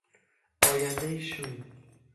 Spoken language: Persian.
آیندهای شوم